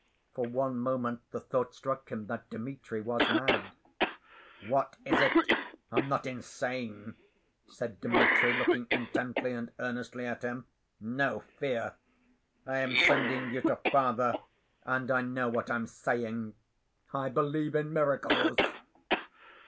For one moment the thought struck him that Dmitri was mad. "What is it? I'm not insane," said Dmitri, looking intently and earnestly at him. "No fear. I am sending you to father, and I know what I'm saying. I believe in miracles."